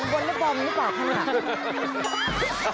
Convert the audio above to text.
บนละบอมหรือเปล่าครับ